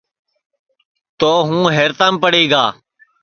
تو ہوں حیرتام پڑی گا